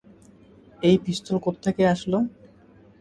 এই পিস্তল কোত্থেকে আসলো?